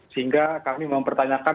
sehingga kami mempertanyakan